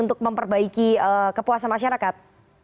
untuk memperbaiki kepuasan masyarakat